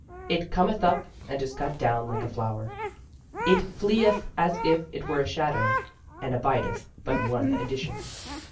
It cometh up and is cut down like a flower. It fleeth as if it were a shadow and abideth but one edition.